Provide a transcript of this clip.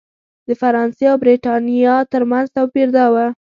د فرانسې او برېټانیا ترمنځ توپیر دا و.